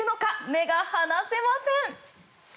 目が離せません。